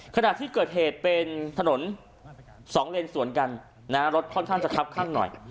ขณะที่เกิดเหตุเป็นถนน๒เลนสวนกันนะฮะรถค่อนข้างจะคับข้างหน่อย